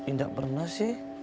tidak pernah sih